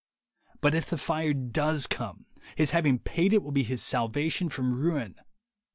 But if the fire does come, his having paid it will be his salvation from ruin.